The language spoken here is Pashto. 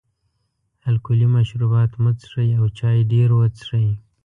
الکولي مشروبات مه څښئ او چای ډېر وڅښئ.